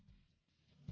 sampai ketemu lnda